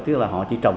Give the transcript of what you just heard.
tức là họ chỉ trồng